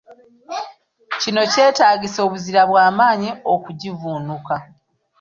Kino kyetaagisa obuzira bwa maanyi okugivvuunuka.